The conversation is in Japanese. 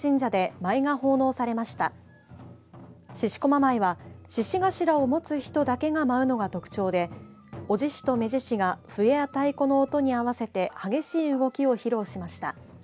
舞は獅子頭を持つ人だけが舞うのが特徴で男獅子と女獅子が笛や太鼓の音に合わせて激しい動きを披露しました。